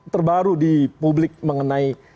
terbaru di publik mengenai